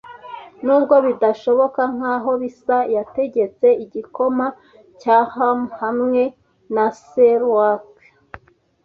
Nubwo bidashoboka nkaho bisa, yategetse igikoma cya ham hamwe na sauerkraut.